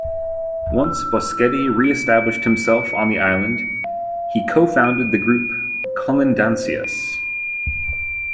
Once Boschetti reestablished himself in the island, he co-founded the group "Colindancias".